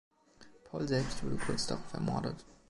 Paul selbst wurde kurz darauf ermordet.